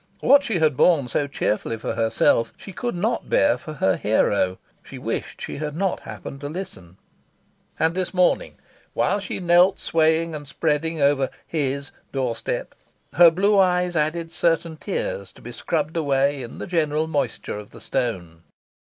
What she had borne so cheerfully for herself she could not bear for her hero. She wished she had not happened to listen. And this morning, while she knelt swaying and spreading over "his" doorstep, her blue eyes added certain tears to be scrubbed away in the general moisture of the stone.